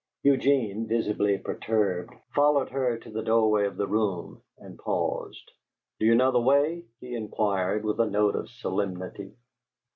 Eugene, visibly perturbed, followed her to the doorway of the room, and paused. "Do you know the way?" he inquired, with a note of solemnity.